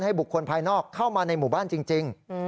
บุคคลภายนอกเข้ามาในหมู่บ้านจริง